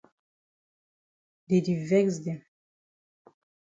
Dey di vex dem.